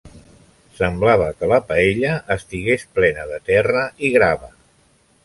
Semblava que la paella estigués plena de terra i grava.